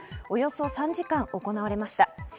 およそ３時間行われました。